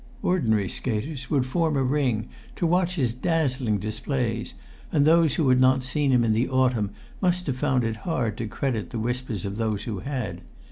Ordinary skaters would form a ring to watch his dazzling displays, and those who had not seen him in the autumn must have found it hard to credit the whispers of those who had.